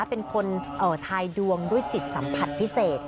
เป็นคนทายดวงด้วยจิตสัมผัสพิเศษ